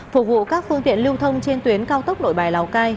phục vụ các phương tiện lưu thông trên tuyến cao tốc nội bài lào cai